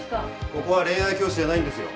ここは恋愛教室じゃないんですよ。